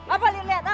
apa liat liat ah